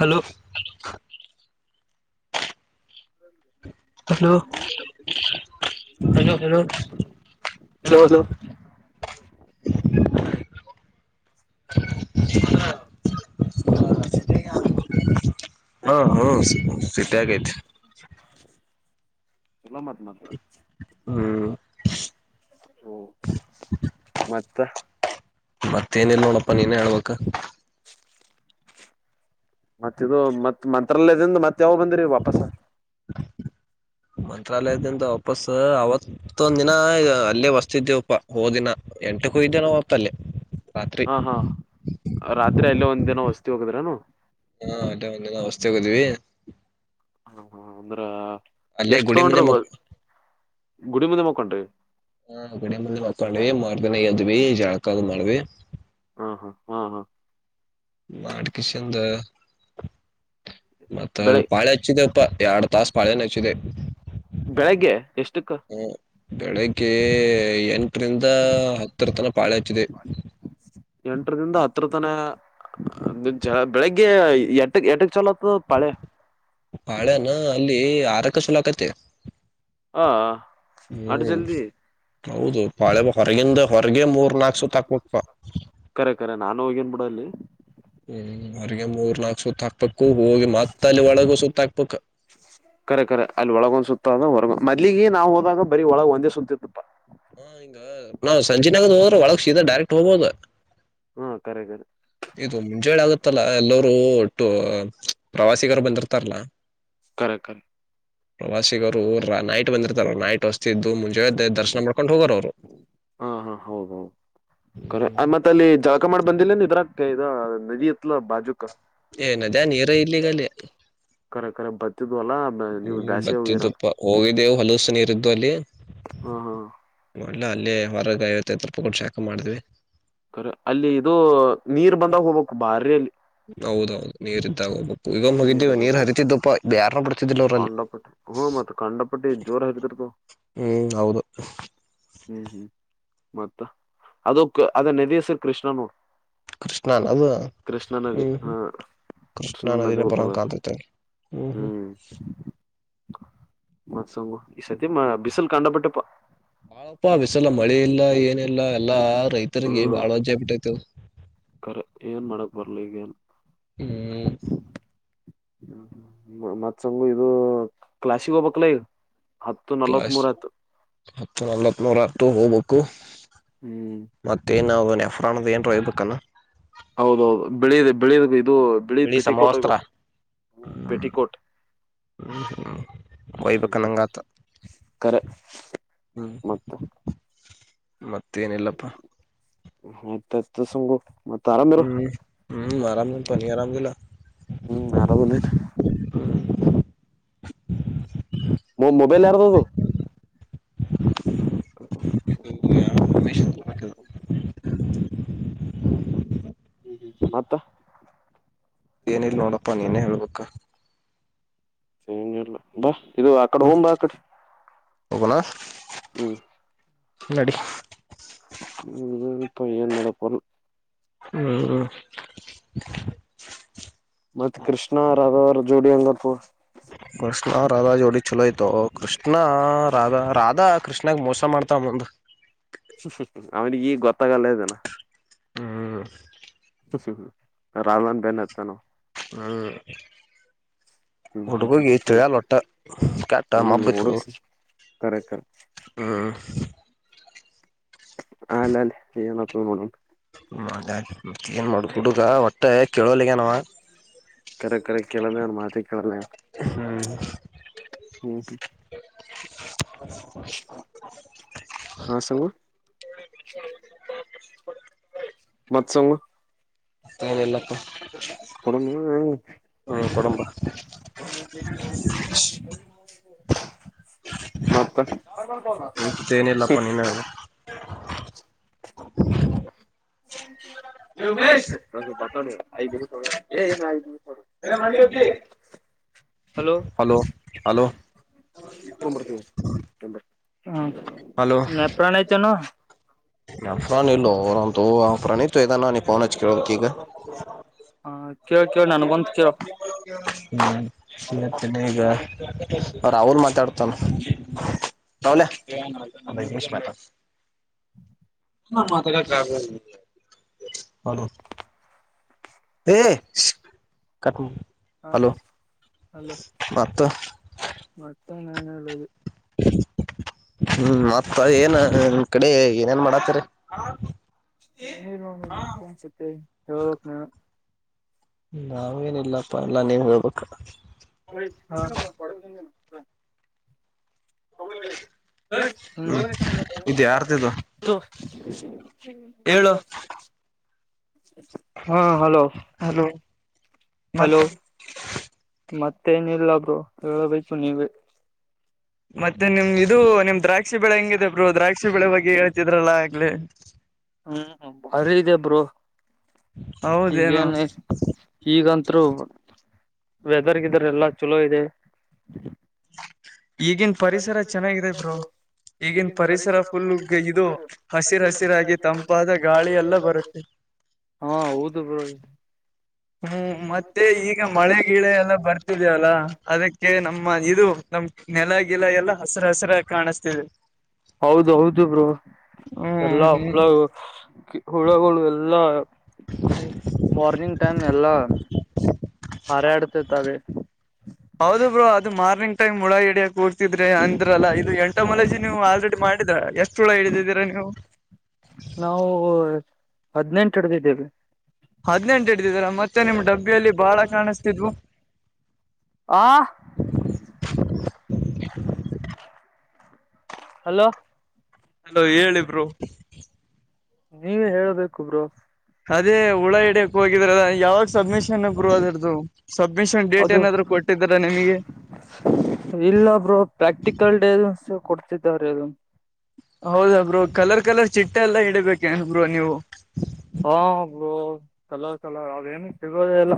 Hello hello hello hello hello hello hello [inaudible] hello hello set [unintelligible] ಚಲೋ ಮಾತ್ ಮಾತ್ರ ಹ್ಮ ಹ್ಮ ಮತ್ತ ಮತ್ತೇಏನಿಲ್ಲ ನೋಡಪ್ಪಾ ನೀನೇ ಹೇಳ್ಬೇಕ ಮತ್ತ ಇದು ಮತ್ ಮಂತ್ರಾಲಯದಿಂದ ಮತ್ತತ್ ಯಾವ ಬಂದ್ರೀ ಓಪಸ್ ಮಂತ್ರಾಲಯದಂತ ವಪಸ್ ಆವ್ ಮತ್ತೊಂದ ದಿನ ಅಲ್ಲೇ ವಸ್ತಿದ್ದೇವಪ್ಪಾ ಹ ಓದಿನ ಎಂಟಕ್ಕೂಯ್ದನ ಹ್ತಲ್ಲಿ ರಾತ್ರಿ ಹಾ ಹಾ ರಾತ್ರಿ ಅಲ್ಲೇ ಒಂದು ದಿನ ವಸ್ತಿ ಹೋಗದ್ರನು ಹಾ ಅದೇ ಮಂದ ಹೊಸ್ತಿ ಹದಿವವಿ ಹಾ ಹಾ ಅಂದ್ರ ಅಲ್ಲೇ ಎಷ್ಟ್ ಗುಡಿ ತಗೊಂಡ್ರಿ ಮುಂದೆ ಮಕ್ ಗುಡಿ ಮುಂದೆ ಮುಕೊಂಡ್ರಿ ಹಾ ಗಡಿ ಮಂದಿ ಮಕೊಂಡ್ವಿ ಮಾಡ್ದನ ಎದ್ವಿ ಜಾಳಕದ ಮಾಡ್ವಿ ಹ ಹಾ ಹಾ ಹಾ ಮಾಡಡ್ಕಿಶಂದ-----ಮತ್ತ ಬೆಳೆ ಪಾಳ ಹಚ್ಚಿದೆ ಅಪ್ಪ ಎರಡು ತಾಸ ಪಾಳೆಚ್ಚಿದೆ ಬೆಳಿಗ್ಗೆ ಎಷ್ಟಕ್ಕ. ಹ ಬೆಳಿಗ್ಗೆ ಎಂಟರಿಂದ ಹತ್ತರ ತನ ಪಾಳೆ ಹಚ್ಚಿದೆ. ಎಂಟ್ರ ದಿಂದ ಹತ್ರ ತನ [unintelligible] ಬೆಳಿಗ್ಗೆ ಎ [unintelligible] ಎಟೆಕ್ ಚಲೋ [unintelligible] ಪಾಳೆ ಪಾಳ್ಯಾನ ಅಲ್ಲಿ ಆರಕ ಸುಲಕತೆ ಹ ಹ್ಮ ಅಟ ಜಲ್ದಿ ಹೌದು ಬಾಳೆ ಹೊರಗಿಂದ ಹೊರಗೆ ಮೂರ್ ನಾಲ್ಕ್ ಸುತ್ ಹಾಕಬೇಕಕ್ಪ್ ಕರೆ ಕರೆ ನಾನು ಹೋಗೇನ್ ಬಿಡ ಅಲ್ಲಿ ಹ್ಮ ಹೊರಿಗೆ ಮೂರ್ ನಾಲ್ಕ್ ಸೂತ್ ಹಾಕ್ಬೇಕು ಹೋಗಿ ಮತ್ತ ಅಲ್ಲಿ ಒಳಗ ಸೂತ್ತ ಹಾಕ್ಬೇಕ್ ಕರೆ ಖರೆ ಅಲ್ಲಿ ಒಳಗೊಂದ್ ಸುತ್ತ ಹೊರಗ ಮದ್ಲಿಗೆ ನಾವು ಹೋದಾಗ ಬರೀ ಒಳಗ ಒಂದೇ ಸುತ್ತ ಇತ್ತಪ [unintelligible] ಸಂಜೆನಾಗದ ಹೋದ್ರ ಒಳಗ್ ಸಿದಾ ಡೈರೆಕ್ಟ್ ಹೋಗಬಹದು ಹಾ ಕರೆ ಕರೆ ಇದು ಮುಂಜಳೆ ಆಗುತ್ತಲ್ಲಾ ಎಲ್ಲರು ಒಟ್ಟು ಪ್ರವಾಸಿಗರು ಬಂದಿರ್ತಾರಲ್ಲ. ಕರೆ ಕರೆ ಪ್ರವಾಸಿಗ ಅವ ನೈಟ್ ಬಂದಿರ್ತಾರ ನೈಟ್ ಹೊಸ್ತಿದ್ದು ಮುಂಜಾನೇ ದರ್ಶನ ಮಾಡ್ಕೊಂಡು ಹೋಗೋರು ಅವರು ಹಾ ಹಾ ಹೌದ ಹೌದು ಕರೆಟ್ ಮತ್ತ ಅಲ್ಲಿ ಜಳಕ ಮಾಡ್ ಬಂದಿಲ್ಲೇನು ಇದ್ರ ಇದ ನದಿ ಎತ್ಲ ಬಾಜುಕ ಏನ ನದಿಯಾಗ ನೀರ ಇಲ್ಲಿಗಲ್ಲಿ ಕರೆಖರೆ ಬತ್ತಿದ್ವಲ್ಲಾ ನೀವು ಹ್ಮ್ ಬ್ಯಾಸಿಗೆ ಹೋಗಿರನ್ ಬತ್ತಿದ್ವಪ್ಪ ಹೋಗಿದ್ದೇವು ಹೊಲಾಸ್ ನೀರಿದ್ದು ಅಲ್ಲಿ ಹಾ ಹಾ ನಲ್ಲ ಅಲ್ಲೇ ಹೊರಗಾ ಹತ್ತು ರೂಪಾಯ ಕೊಟ್ಟ ಜಳಕ ಮಾಡಿದ್ವಿ ಅಲ್ಲಿ ಇದು ನೀರ್ ಬಂದಾಗ ಹೋಗ್ಬೇಕು ಬಾರಿ ಅಲ್ಲಿ ಹೌದೌದು ನೀರ್ ಇದಾಗ ಹೋಗ್ಬೇಕು ಈಗ ಮಗಿದ್ದ ನೀರ್ ಹರಿತಿದ್ದಪ್ಪಾ ಯಾರ್ನ ಬಿಡ್ತಿದಿಲ್ಲ ನೋಡು ಕಾಂಡಪಟ್ಟಿ ಹ್ಮ ಮತ್ತ ಕಂಡಪಟ್ಟಿ ಜೋರಗ್ ಹಿಡಿದರ್ಗನು ಹ್ಮ್ ಹೌದು ಹ್ಮ್ ಹ್ಮ್ ಮತ್ತ ಅದುಕ್ಕ ಅದ ನದಿ ಹೆಸರು ಕೃಷ್ಣ ನೋಡ್ ಕೃಷ್ಣ ನದು ಕೃಷ್ಣ ನದಿ ಹ್ಮ್ ಹಾ ಹ್ಮ್ [unintelligible] ಕೃಷ್ಣಾ ನದಿ ನದಿನೇ ಬರಂಗ ಬಂತದಲ್ಲ ಕಾಣ್ತೈತೆ ಹ್ಮ್ ಮತ್ಸಂಗು ಈ ಸತಿ ಬಿಸಿಲು ಕಂಡ ಪಟ್ಟಿಪ. ಬಾಳಪ ಬಿಸಲ ಮಳೆ ಇಲ್ಲ ಏನಿಲ್ಲ ಎಲ್ಲಾ ರೈತರಿಗೆ ಹ್ಮ್ ಬಾಳ ಅಜ್ಜೆ ಬಿಟ್ಟೈತವು ಕರೆ ಏನ್ ಮಾಡಕ್ ಬರ್ಲಿ ಈಗೇನ್ ಹ್ಮ ಹ ಮತ್ತ್ಸಂಗು ಇದು ಕ್ಲಾಸಿಗೆ ಹೋಗಬೇಕೀಲೆ. [unintelligible] [unintelligible] ಹೋಗಬೇಕು ಹ್ಮ್ ಮತ್ತೇನ ಅವುದು ನೆಫ್ರಾನ್ ಏನ್ ಏನಾರಾ ಹೇಳ್ಬೇಕ್ ಹೌದೌದು ಬೆಳಿದೆ ಬೆಳಿ ಇದು ಬೆಳಿ ಬಿಳಿ ಪೆಟಿಕೋಟ್ ಸಮವಸ್ತ್ರ ಇಗ್ಬೇಕು ಪೆಟಿಕೋಟ್ ಹ್ಮ್ ಹ್ಮ್ ಹ್ಮ್ ಹ್ಮ್ ಹ್ಮ್ ವೈಬೇಕನಂಗತ ಕರೆ ಹ್ಮ್ ಮತ್ತ ಮತ್ತೇನಿಲ್ಲಪ್ಪಾ [unintelligible] [unintelligible] ಹಾತ್ತ ಸಂಗು ಮತ್ತ ಆರಾಮಿರು ಹ್ಮ್ ಹ್ಮ್ ಆರಾಮ್ದ ಪ ನಿ ಆರಾಮ್ದಿಲ್ಲ ಹ್ಮ್ ಆರಾಮ್ ಅದೀನಿ ಹ್ಮ್ ಮ ಮೊಬೈಲ್ ಯಾರದ್ ಅದು ಕಲ್ಕೊಂಡು ಮತ್ತ. ಏನಿಲ್ಲ ನೋಡಪಾ ನೀನೇ ಹೇಳ್ಬೇಕ. ಹ್ಮ ಮತ್ತ ಇದು ಆಕಡೆ ಹ್ಮ ಹೋಗೂನು ಬಾ ಆಕಡೆ. ಹೋಗೋಣ ನಡಿ. ಹ್ಮ್ ಹ್ಮ ಪ್ ಏನ್ ಮಾಡಾಕ ಬರತ್ತ. [unintelligible] ಮತ್ತ್ ಕೃಷ್ಣರಾಧಾರ ಜೋಡಿ ಹೆಂಗೈತಿ. ಕೃಷ್ಣರಾಧಾ ಜೋಡಿ ಚಲೋ ಅಯ್ತೋ ಕೃಷ್ಣ ರಾಧಾ ರಾಧಾ ಕೃಷ್ಣಾಗ ಮೋಸಾ ಮಾಡ್ತಾಳ ಮುಂದ. ಅವನಿಗೀಗ ಗೊತ್ತಾಗಲ್ಲ ಇದನ. ಹ್ಮ್. ರಾಧಾನ್ ಬೆನ್ನ ಹತ್ತ್ಯಾನ ಅವ. ಹ್ಮ. ಹ್ಮ್ ಹ್ಮ್ ಹುಡುಗಗಿ ಹ್ಮ್ ತಿಳ್ಯಾಲ ಒಟ್ಟ ಕೆಟ್ಟ ಮಬ್ಬತಿ ಹುಡುಗ. ಕರೆಕ್ಟ್. ಹ್ಮ್. ಆಮೇಲ್ ಏನ್ ಅತಿ ನೋಡೂನು. ಮಾಡ್ಲಿ ಮಾಡ್ಲಿ ಏನ್ ಮಾಡತಿ ಹುಡುಗ ಒ ಟ್ಟೆ ಕೇಳಲ್ಲಗ್ಯಾನ ಅವಾ. ಕರೆ ಕರೆ ಕೇಳಲ್ಲಗ್ಯಾನ ಮಾತೆ ಕೇಳಲ್ಲಗ್ಯಾನ ಹ್ಮ್. ಹ ಹ. [unintelligible] ಹಾ ಸಂಗು. ಮತ್ತ ಸಂಗು. ಏನಿಲ್ಲಪ್ಪ ಕೊಡ ನಿ ಈಕಡೆ ಬಾ. [unintelligible] ಮತ್ತ. ಮತ್ತೇನಿಲ್ಲಪಾ ನೀನೇ ಹೇಳ್ಬೇಕ್. ಎ ಉಮೇಶ್. [unintelligible] ಹಲೋ ತೊಂಬರ್ತಿ ಹ್ಮ್ ತೊಂಬಾ. ಹ್ಮ ಹಲೋ ನಿಮ್ಮ್ ಅಪ್ಪನ ಚನ್ನು. ಮತ್ತ್ಯಾನ್ ಇಲ್ಲೋ ನಮ್ಮ [unintelligible] ಪ್ರನು ತೊದಾತನ ಫೋನ್ ಹಚ್ಚಿ ಕೇಳ್ಬೇಕ ಈಗ. ಹ ಕೇಳ ಕೇಳ ನನಗೊಂದ್ ಕೇಳ. ಹ್ಮ್ ಮತ್ತ ಈಗ ಸರ್ ಅವರ ಮಾತಾಡ್ತಾರ. ತ್ತೇನ್ ಒಂದ್ ಐದ್ ನಿಮಿಷ ಮಾತಾಡ. ಹಾ ಮಾತಾಡಾಕ ಯಾರ್ ಇಲ್ರಿ ಹಲೋ. ಎ ಕಟ್ ಮಾಡು ಹಲೋ ಮತ್ತ. ಮತ್ತೇನ್ ಏನಿಲ್ಲ ಇಲ್ಲಿ. ಹ್ಮ್ ಮತ್ತ ಏನ್ ನಿನ್ ಕಡೆ ಏನೇನ್ ಮಾಡಾತ್ತರಿ. [unintelligible] ಹೇಳ್ಬೇಕ್ ನೀವ ನಾವ ಏನಿಲ್ಲಪ್ಪ ಎಲ್ಲಾ ನೀವ ಹೇಳ್ಬೇಕು. ಹಾ [unintelligible] ಹ್ಮ ಇದು ಯಾರ್ದಿದು ಹೇಳು [unintelligible] ಹಾ ಹಲೋ. ಹಲೋ. ಹಲೋ ಮತ್ತೆ ಮತ್ತೇನಿಲ್ಲಗು ಹೇಳಬೇಕು ನೀವೇ, ಮತ್ತೆ ನಿಮ್ ಇದು ನಿಮ್ ದ್ರಾಕ್ಷಿ ಬೆಳೆ ಹೆಂಗಿದೆ ಬ್ರೋ ದ್ರಾಕ್ಷಿ ಬೆಳೆ ಬಗ್ಗೆ ಹೇಳ್ತಿದ್ರಲ್ಲಾ ಆಗ್ಲೇ. ಹ್ಮ್ ಬಾರಿ ಇದೆ ಬ್ರೋ. ಹೌದೇನು ಈಗೇನ್ ನೈಸ್ ಈಗಂತ್ರು ವೆದರ್ ಗಿದರ್ ಎಲ್ಲಾ ಚಲೋ ಇದೆ. ಈಗಿನ್ ಪರಿಸರ ಚೆನ್ನಾಗಿದೆ ಬ್ರೋ. ಈಗಿನ ಪರಿಸರ ಫುಲ್ ಇದು ಹಸಿರು ಹಸಿರಾಗಿ ತಂಪಾದ ಗಾಳಿ ಎಲ್ಲ ಬರುತ್ತೆ. ಹಾ ಹೌದು ಬ್ರೋ. ಹ್ಮ್ ಮತ್ತೆ ಈಗ ಮಳೆ ಗೀಳೆ ಎಲ್ಲ ಬರ್ತಿದೆಯಲ್ಲಾ ಅದಕ್ಕೆ ನಮ್ಮ ಇದು ನಮ್ ನೆಲ ಗಿಲ ಎಲ್ಲಾ ಹಸಿರು ಹಸಿರಾಗಿ ಕಾಣಿಸ್ತಿದೆ. ಹೌದೌದು ಬ್ರೋ ಹ್ಮ್ ಎಲ್ಲಾ ಹ್ಮ್ ಹುಳ ಹುಳಗಳು ಎಲ್ಲಾ. ಮಾರ್ನಿಂಗ್ ಟೈಮ್ ಎಲ್ಲ ಹಾರಾಡ್ತಿರ್ತವೆ. ಹೌದು ಬ್ರೋ ಅದು ಮಾರ್ನಿಂಗ್ ಟೈಮ್ ಒಳಹಿಡಿಯಕ್ ಹೋಗಿ. ತಿದ್ರೆ ಅಂದ್ರಲ್ಲ ಇದು ಎಂಟೋ ಮಲಜಿ ನೀವು ಆಲ್ರೆಡಿ ಮಾಡಿದ್ರ ಎಷ್ಟು ಹುಳ ಹಿಡಿದಿದ್ದೀರಾ ನೀವು. ನಾವು ಹದ್ನೆಂಟು ಹಿಡಿದಿದ್ದೀವಿ. ಹದಿನೆಂಟು ಹಿಡಿದಿದ್ದೀರಾ ಮತ್ತೆ ನಿಮ್ ಡಬ್ಬಿಯಲ್ಲಿ ಬಾಳ ಕಾಣಿಸ್ತಿದ್ವು. ಆ ಹಲೋ ಹಲೋ ಹೇಳಿಬ್ರೋ. ನೀವೇ ಹೇಳಬೇಕು ಬ್ರೋ. ಅದೇ ಹುಳ ಹಿಡಿಯೋಕ್ ಹೋಗಿದ್ರಲ್ಲ ಯಾವಾಗ ಸಬ್ಮಿಷ್ ನನ್ನ ಗುರುವ ದೊಡ್ದು ಸಬ್ಮಿಷನ್ ಡೇಟ್ ಏನಾದ್ರು ಕೊಟ್ಟಿದ್ದರಾ ನಿಮಗೆ. ಇಲ್ಲಬ್ರೋ ಪ್ರಾಕ್ಟಿಕಲ್ ಡೇ ಇನ್ಸು ಕೊಡ್ತಿದ್ದಾರೆ. ಹೌದ ಬ್ರೋ ಕಲರ್ ಕಲರ್ ಚಿಟ್ಟೆ ಎಲ್ಲ ಹಿಡಿಬೇಕೆನ್ ಬ್ರೋ ನೀವು. ಹ ಬ್ರೋ ಕಲರ್ ಕಲರ್ ಅವೇನು ಸಿಗೋದೆ ಇಲ್ಲ.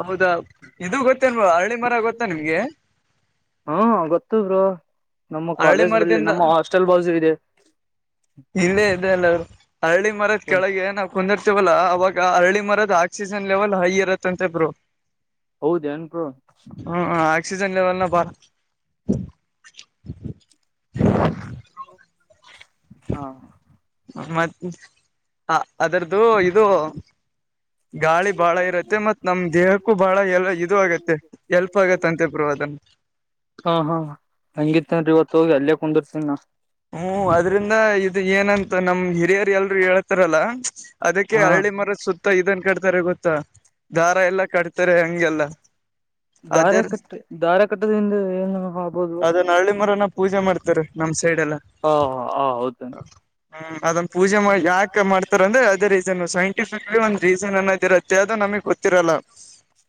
ಅಬುದಾಬ್ ಇದು ಗೊತ್ತಿಲ್ವಾ ಹಳ್ಳಿ ಮರ ಗೊತ್ತಾ ನಿಮ್ಗೆ. ಹ್ಮ ಗೊತ್ತು ಬ್ರೋ ನಮ್ಮ ಅರಳಿ ಕಾಲೇಜ್ ಬಲ್ಲಿ ಮರದಿಂದ ನಮ್ಮ ಹಾಸ್ಟೆಲ್ ಬಾಜು ಇದೆ. ಇಲ್ಲೇ ಇದ್ವಲ್ಲ ಅವರು ಅರಳಿ ಮರದ ಕೆಳಗೆ ನಾವು ಕುಂದಿರ್ತೇವಲ್ಲ ಅವಾಗ್ ಈಗ ಅರಳಿ ಮರದ ಆಕ್ಸಿಜನ್ ಲೆವೆಲ್ ಹೈ ಇರುತ್ತಂತೆ ಬ್ರೋ. ಹೌದ ಏನ್ ಬ್ರೋ. ಹ್ಮ್ ಹ್ಮ್ ಆಕ್ಸಿಜನ್ ಲೆವೆಲ್ನ ಬಾರೋ. ಹಾ ಮತ್ ಇದು ಅದ್ರುದು ಇದು. ಗಾಳಿ ಬಾಳ ಇರುತ್ತೆ ಮತ್ ನಮ್ ದೇಹಕ್ಕೂ ಬಾಳ ಎಲ್ಲ ಇದು ಆಗುತ್ತೆ. ಹೆಲ್ಪ್ ಆಗುತ್ತೆ ಅಂತೆ ಬ್ರೋ ಅದನ್ನು ಹಾ ಹಾ ಹೆಂಗಿರ್ತಾಂದ್ರಿ ಇವತ್ತು ಅಲ್ಲೇ ಕುಂದಿರ್ತೇನ. ಹು ಅದ್ರಿಂದ ಇದು ಏನಂತ ನಮ ಹಿರಿಯರ್ ಎಲ್ಲರೂ ಹೇಳ್ತಾರಲ್ಲ ಅದಕ್ಕೆ ಹಾ ಅರಳಿ ಮರದ ಸುತ್ತ ಇದನ್ ಕಟ್ತಾರೆ ಗೊತ್ತಾ ದಾರ ಎಲ್ಲಾ ಕಟ್ತಾರೆ ಹಂಗೆಲ್ಲ. ಧಾರೆ ಅದ್ರ ಕಟ್ಟಿ ಧಾರಕಟ್ಟುವುದರಿಂದ ಏನು ಆಬೋದು. ಅದುನ್ನ ಅರಳಿ ಮರನೊ ಪೂಜೆ ಮಾಡ್ತಾರೆ ನಮ್ ಸೈಡ್ ಎಲ್ಲ. ಹಾ ಹ ಹ ಹೌದ. ಹ್ಮ ಅದನ್ನ ಪೂಜೆ ಮಾಡ ಯಾಕೆ ಮಾಡ್ತಾರೆ ಅಂದ್ರೆ ಅದೇ ರೀತಿ ತೆನು ಸೈಂಟಿಫಿಕ್ಲಿ ಒಂದು ರೀಸನ್ ಅನ್ನೋದ್ ಇರುತ್ತೆ ಅದು ನಮಗೆ ಗೊತ್ತಿರಲ್ಲ.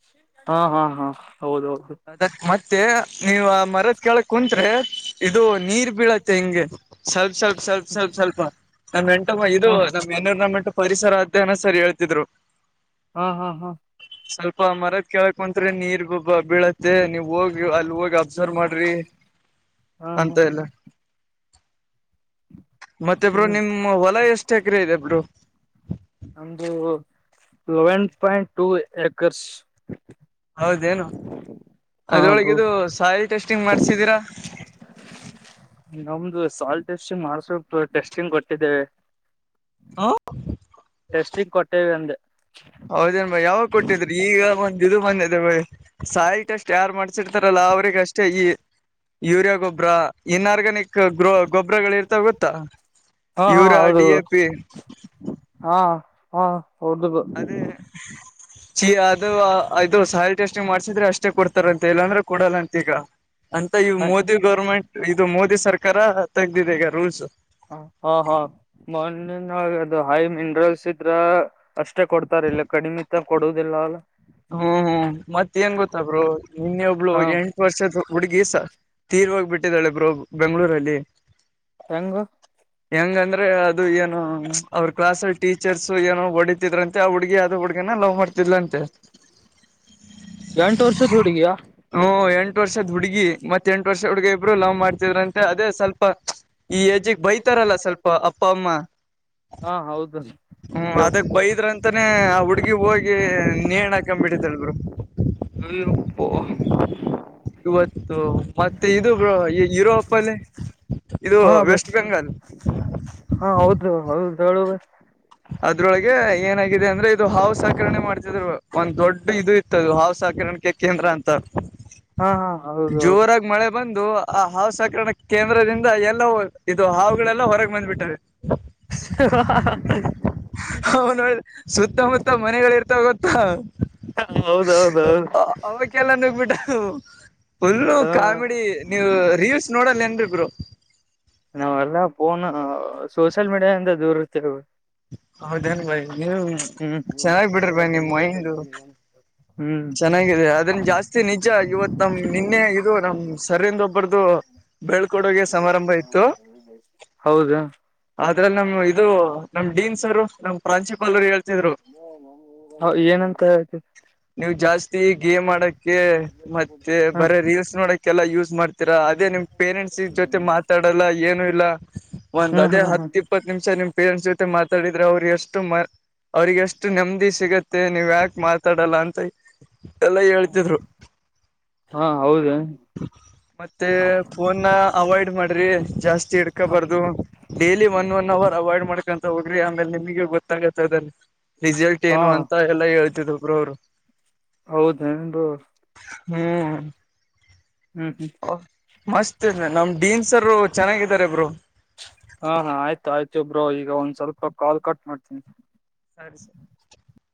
[inaudible] ಹಾ ಹಾ ಹಾ ಹೌದ ಹೌದು. ಅದಕ್ ಮತ್ತೆ ನೀವ ಮರದ ಕೇಳಕ್ ಕುಂತ್ರೆ ಇದು ನೀರ್ ಬೀಳತ್ತೆ ಹಿಂಗೆ. ಸ್ವಲ್ಪ ಸ್ವಲ್ಪ ಸ್ವಲ್ಪ ಸ್ವಲ್ಪ ಸ್ವಲ್ಪ ನಮ್ಮ ನಂಟಮ್ಮ ಇದು ಹಾ ನಮ್ ಮೆನ್ಯೂರ್ಮೆಂಟ್ ಪರಿಸರ ಅಧ್ಯಯನ ಸರ್ ಹೇಳ್ತಿದ್ರು. ಹಾ ಹಾ ಹಾ ಸ್ವಲ್ಪ ಮರದ ಕೇಳಕ್ ಅಂತ್ರೆ ನೀರ್ ಬ ಬೀಳತ್ತೆ ನೀವ್ ಹೋಗಿ ಅಲ್ಲಿ ಹೋಗಿ. ಅಬ್ಸರ್ವ್ ಮಾಡ್ರಿ ಹಾ ಹಾ ಹ್ಮ್ ಅಂತ ಎಲ್ಲಾ. ಮತ್ತೆ ಬ್ರೋ ನಿಮ್ ಹೊಲ ಎಷ್ಟು ಎಕರೆ ಇದೆ ಬ್ರೋ. ನಮ್ದು ಲೆವೆನ್ ಪಾಯಿಂಟ್ ಟು ಏಕರ್ಸ್. ಹೌದೇನು ಬ್ರೋ ಅದ್ರೊಳಗಿದು ಸಾಯಿಲ್ ಟೆಸ್ಟಿಂಗ್ ಮಾಡ್ಸಿದೀರಾ. ನಮ್ದು ಸಾಯಿಲ್ ಟೆಸ್ಟಿಂಗ್ ಮಾಡ್ಸಬೇಕ ಟೆಸ್ಟಿಂಗ್ ಕೊಟ್ಟಿದ್ದೇವೆ. ಹಾ ಟೆಸ್ಟಿಗೆ ಕೊಟ್ಟೇವಿ ಅಂದೇ. ಹೌದೇನ್ ಬಾಯಿ ಯಾವಾಗ ಕೊಟ್ಟಿದ್ರಿ ಈಗ ಬಂದ್ ಇದು ಬಂದಿದೆ ಬೈ ಸಸಾಯಿಲ್ ಟೇಸ್ಟ್ ಯಾರು ಮಾಡ್ಸಿರ್ತಾರಲ್ಲ ಅವ್ರಗೆ ಅಷ್ಟೇ ಈ ಯೂರಿಯಾ ಗೊಬರ ಇನ್ ಆರ್ಗ್ಯಾನಿಕ್. ಗೋ ಗೊಬ್ಬರಗಳ ಇರ್ತಾವ ಗೊತ್ತಾ ಹಾ ಹಾ ಯೂರಿಯ ಹೌದು ಡಿ ಎ ಪಿ. ಹಾ ಹಾ ಹೌದು. ಅದೇ [unintelligible] ಚೀ ಅದು ಇದು ಸಾಯಿಲ್ ಟೆಸ್ಟಿಂಗ್ ಮಾಡ್ಸಿದ್ರೆ ಅಷ್ಟೇ ಕೊಡ್ತಾರಂತೆ ಇಲ್ಲಾಂದ್ರೆ ಕೊಡಲ್ಲಂತ ಈಗ. ಅಂತ ಇವು ಮೋದಿ ಗೌರ್ಮೆಂಟ್ ಇದು ಮೋದಿ ಸರ್ಕಾರ ತೆಗ್ದಿದೆ ಈಗ ರೂಲ್ಸ್. ಹ ಹ ಹಾ ಮಣ್ಣಿನೊಳಗ ಅದು ಹೈ ಮಿನರಲ್ಸ್ ಇದ್ರ. ಅಷ್ಟೇ ಕೊಡ್ತಾರ ಇಲ್ಲ ಕಡಿಮಿತ ಕೊಡುದಿಲ್ಲ ಅವಲ್ಲ. ಹ್ಮ್ ಹ್ಮ್ ಮತ್ತ ಏನ್ ಗೊತ್ತ ಬ್ರೋ ನಿನ್ನೆ ಒಬ್ಳು ಹಾ ಎಂ ಟು ವರ್ಷದ ಹುಡುಗಿ ಸ ತೀರ್ ಹೋಗಿ ಬಿಟ್ಟಿದಾಳೆ ಬ್ರೋ ಬೆಂಗ್ಳೂರಲ್ಲಿ. ಹೆಂಗೋ ಹೆಂಗಂದ್ರೆ ಅದು ಏನೋ. ಅವ್ರ ಕ್ಲಾಸ್ಲ್ಲೀ ಟೀಚರ್ಸ್ ಏನೋ ಹೊಡಿತಿದ್ರಂತೆ ಆ ಹುಡ್ಗಿ ಯಾವದೋ ಹುಡ್ಗನ ಲವ್ ಮಾಡ್ತಿದ್ ಅಂತೆ. ಎಂಟು ವರ್ಷದ ಹುಡುಗಿಯಾ. ಹ್ಮ್ ಎಂಟ್ ವರ್ಷದ ಹುಡ್ಗಿ ಮತ್ ಎಂಟು ವರ್ಷ ಹುಡುಗ ಇಬ್ಬರು ಲವ್ ಮಾಡ್ತಿದ್ರ ಅಂತೇ. ಅ ಅದೇ ಸ್ವಲ್ಪ ಈ ಏಜಿಗೆ ಬೈತಾರಲ್ಲ ಸ್ವಲ್ಪ ಅಪ್ಪ ಅಮ್ಮ. ಹಾ ಹೌದ ಹ್ಮ್ ಅದಕ್ ಬೈದ್ರಂತಾನೇ ಆ ಹುಡ್ಗಿ ಹೋಗಿ ನೇಣ ಹಾಕೊಂಡುಬಿಟ್ಟಿದಾಳೆ ಬ್ರೋ. ಹೇ ಯಪ್ಪೊ. ಇವತ್ತು ಮತ್ತೆ ಇದು ಬ್ರೋ ಯುರೋಪಲ್ಲಿ ಇದು ಹಾ ಬ ವೆಸ್ಟ್ ಬೆಂಗಾಲ್. [unintelligible] ಹಾ ಹೌದು ಹೌದೇಳೋ ಬಾಯ್ ಅದ್ರೊಳಗೆ ಏನಾಗಿದೆ ಅಂದ್ರೆ ಇದು ಹಾವು ಸಾಕರಣೆ ಮಾಡ್ತಿದ್ರು ಒಂದ್ ದೊಡ್ಡ ಇದು ಇತ್ ತ್ತ ಹಾವು ಸಕರಣೆ ಕೇಂದ್ರ ಅಂತ ಹಾ ಹಾ ಹೌದು ಹೌದು ಜೋರಾಗ ಮಳೆ ಬಂದು. ಆ ಹಾವು ಸಕರಣ ಕೇಂದ್ರದಿಂದ ಎಲ್ಲ ಇದು ಹಾವುಗಳೆಲ್ಲ ಹೊರಗೆ ಬಂದ್ಬಿಟ್ಟಾದ್ದಾವೆ. [unintelligible] ಅವನು ಸುತ್ತಮುತ್ತ ಮನೆಗಳ ಇರ್ತಾವ ಗೊತ್ತಾ. ಹೌದೌದೌದು ಅವಕ್ಕೆಲ್ಲಾನ ನುಗ್ಗಿ ಬಿಟ್ಟವ ಅವು. ಫುಲ್ಲು ಹ ಕಾಮಿಡಿ ನೀವು ರೀಲ್ಸ್ ನೋಡಲ್ ಏನ್ ಬ್ರೋ. ನಾವೆಲ್ಲಾ ಫೋನ್ ಸೋಷಿಯಲ್ ಮೀಡಿಯಾಿಂದ ದೂರ ಇರ್ತೇವೆ ಹೌದೇನ್ ಭಾಯ ನೀವು ಚೆನ್ನಾಗ್ ಹ್ಮ ಬಿಡ್ರಿ ಬೈ ನಿಮ್ [unintelligible] ಮೈಂಡ್ [inaudible] ಚೆನ್ನಾಗಿದೆ ಅದ್ರನ್ನ ಜಾಸ್ತಿ ನಿಜ ಇವತ್ ನಮ ನಿನ್ನೆ ಇದು ನಮ್ ಸರಿಿಂದ ಒಬ್ಬರದು ಬೆಳ್ಕೋಡಗೆ ಸಮಾರಂಭ ಇತ್ತು ಹೌದ ಆದ್ರ ನಮ ಇದು ನಮ್ ಡೀನ್ ಸರ್ ನಮ್ ಪ್ರಾನ್ಸಿಪಾಲ್ ಅವರು ಹೇಳ್ತಿದ್ರು [unintelligible] ಹ ಏನಂತ ಹೇತು ನೀವು್ ಜಾಸ್ತಿ ಗೇಮ್ ಆಡಕ್ಕೆ ಮತ್ತೆ ಹ ಬರ ರೀಲ್ಸ್ ನೋಡಕ ಕ್ಕೆಲ್ಲ ಯೂಸ್ ಮಾಡ್ತೀರಾ ನಿಮ್ ಪೇರೆಂಟ್ಸ್ ಜೊತೆ ಹ್ಮ್ ಮಾತಾಡಲ್ಲ ಏನು ಇಲ್ಲ ಒಂದ್ ಹ್ಮ್ ಅದೇ ಹ್ಮ್ ಹತ್ತಿ ಇಪ್ಪತ್ತು ನಿಮಿಷ ನಿಮ್ ಪೇರೆಂಟ್ಸ್ ಜೊತೆ ಮಾತಾಡಿದ್ರ ಅವರು ಎಷ್ಟು ಅವ್ರಿಗೆ ಎಷ್ಟು ನೆಮ್ಮದಿ ಸಿಗತ್ತೆ ನೀವ್ ಯಾಕ ಮಾತಾಡಲ್ಲ ಅಂತ ಎಲ್ಲಾ ಹೇಳ್ತಿದ್ರು ಹಾ ಹೌದು ಮತ್ತೆ ಫೋನ್ ಅವಾಯ್ಡ್ ಮಾಡ್ರಿ ಜಾಸ್ತಿ ಹಿಡ್ಕೊಬಾರ್ದ daily one one hour avoid ಮಾಡ್ಕೊಂತ ಹೋಗ್ರಿ ಆಮೇಲೆ ನಿಮಗೆ ಗೊತ್ತಾಗತ್ತೆ ಅಲ್ಲಿ ರಫಿಸಲ್ಟ್ ಹಾ ಏನು ಅಂತ ಎಲ್ಲ ಹೇಳ್ತಿದ್ ಬ್ರೋ ಅವರು ಹೌದ ಏನು ಬ್ರೋ ಹ್ಮ್ ಹ್ಮ್ ಹ್ಮ್ ಮಸ್ತ್ ನಮ್ ಡೀನ್ ಸರ್ ಚೆನ್ನಾಗಿದ್ದಾರೆ ಬ್ರೋ ಹಾ ಹಾ ಆಯ್ತು ಆಯ್ತು ಬ್ರೋ ಈಗ ಒಂದ್ ಸ್ವಲ್ಪ ಕಾಲ್ ಕಟ್ ಮಾಡ್ತೀನಿ ಸರಿ ಸರಿ